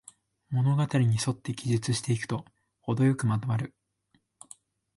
物語にそって記述していくと、ほどよくまとまる